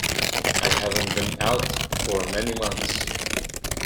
I haven't been out for many months.